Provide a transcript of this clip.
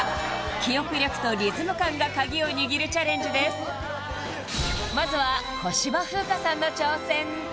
記憶力とリズム感がカギを握るチャレンジですまずは小芝風花さんの挑戦